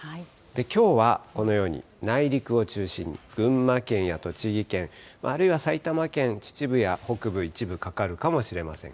きょうはこのように、内陸を中心に、群馬県や栃木県、あるいは埼玉県、秩父や北部、一部かかるかもしれません。